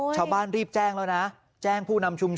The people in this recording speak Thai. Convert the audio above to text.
ชาวบ้านรีบแจ้งแล้วนะ